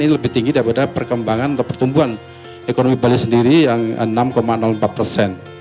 ini lebih tinggi daripada perkembangan atau pertumbuhan ekonomi bali sendiri yang enam empat persen